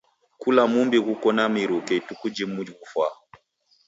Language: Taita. Kula mumbi ghuko na miruke ituku jimu ghufwaa.